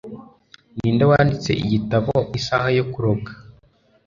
Ninde wanditse igitabo "Isaha yo kuroga"?